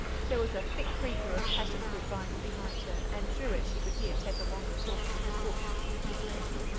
There was a thick creeper of passion fruit vines behind her, and through it she could hear Tettawonga talking to the cook.